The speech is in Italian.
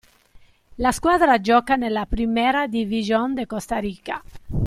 La squadra gioca nella Primera División de Costa Rica.